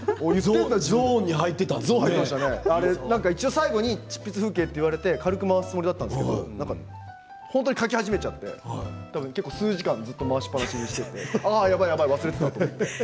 最後に執筆風景軽く回すつもりだったんですけど本当に書き始めちゃって数時間ずっと回しっぱなしにしてやばい、忘れていたと。